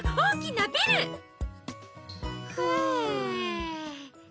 ふう。